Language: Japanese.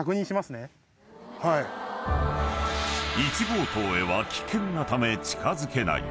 ［１号棟へは危険なため近づけない］